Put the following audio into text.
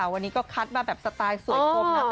วันนี้ก็คัดมาแบบสไตล์สวยคมนะคะ